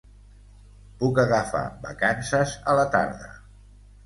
Puc agafar vacances a la tarda.